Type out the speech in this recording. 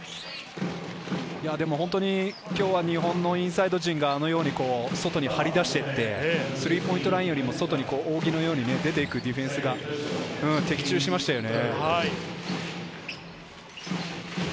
本当に今日は日本のインサイド陣があのように外に張り出していってスリーポイントラインよりも外に扇のように出て行くディフェンスが的中しましたよね。